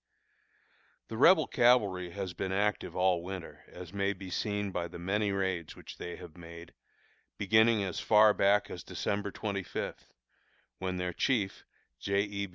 The Rebel cavalry has been very active all winter, as may be seen by the many raids which they have made, beginning as far back as December twenty fifth, when their chief, J. E.